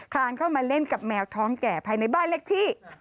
ลานเข้ามาเล่นกับแมวท้องแก่ภายในบ้านเล็กที่